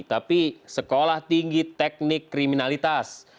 tapi sekolah tinggi teknik kriminalitas